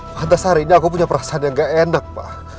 pak antasari ini aku punya perasaan yang gak enak pak